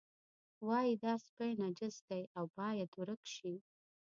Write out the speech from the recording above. وایي دا سپی نجس دی او باید ورک شي.